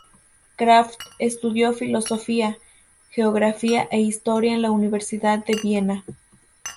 Kraft estudió filosofía, geografía e historia en la Universidad de Viena.